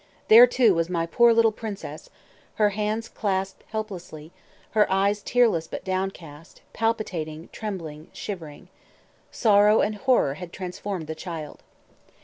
There, too, was my poor little princess, her hands clasped helplessly, her eyes tearless but downcast, palpitating, trembling, shivering. Sorrow and horror had transformed the child.